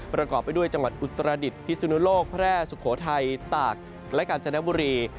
ประกอบไปด้วยจังหวัดอุตรดิษฐพิสุนุโลกแพร่สุโขทัยตากและกาญจนบุรี